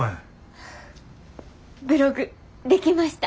ブログできました。